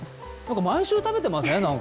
毎週食べてません？